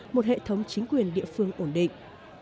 một hệ thống chính quyền địa phương ổn định